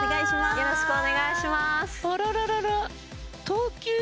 よろしくお願いします